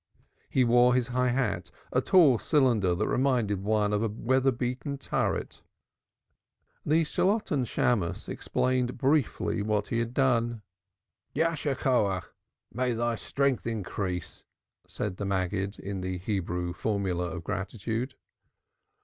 He wore his high hat a tall cylinder that reminded one of a weather beaten turret. The Shalotten Shammos explained briefly what he had done. "May thy strength increase!" said the Maggid in the Hebrew formula of gratitude.